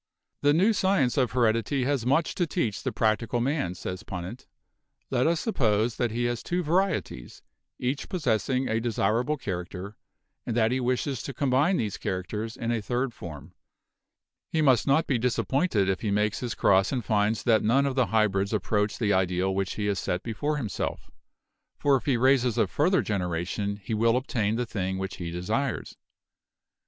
"The new science of heredity has much to teach the practical man," says Punnett. "Let us suppose that he has two varieties, each possessing a desirable character, and that he wishes to combine these characters in a third form. He must not be disappointed if he makes his cross and finds that none of the hybrids approach the ideal which he has set before himself; for if he raises a further gener ation he will obtain the thing which he desires.